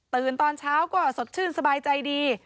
ตอนเช้าก็สดชื่นสบายใจดี